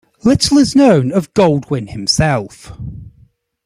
Little is known of Goldwin himself.